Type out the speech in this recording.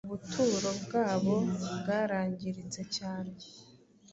ubuturo bwabo bwarangiritse cyane